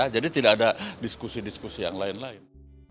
jadi tidak ada diskusi diskusi yang lain lain